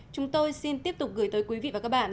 chúng tôi xin tiếp tục gửi tới quý vị và các bạn